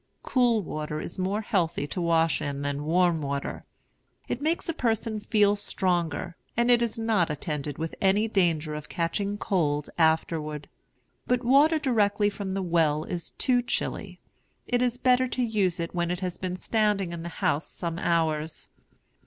Cool water is more healthy to wash in than warm water. It makes a person feel stronger, and it is not attended with any danger of catching cold afterward. But water directly from the well is too chilly; it is better to use it when it has been standing in the house some hours.